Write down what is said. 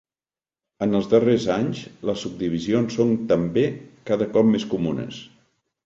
En els darrers anys, les subdivisions són també cada cop més comunes.